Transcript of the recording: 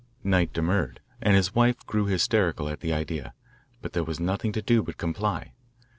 Knight demurred, and his wife grew hysterical at the idea, but there was nothing to do but comply.